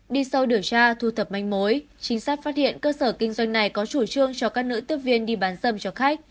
đi sâu điều tra thu thập manh mối trinh sát phát hiện cơ sở kinh doanh này có chủ trương cho các nữ tiếp viên đi bán dâm cho khách